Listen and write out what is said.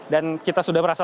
dan kita sudah berhasil